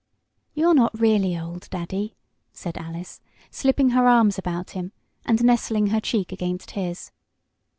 "You're not really old, Daddy!" said Alice, slipping her arms about him, and nestling her cheek against his.